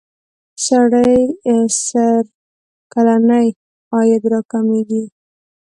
سړي سر کلنی عاید را کمیږی.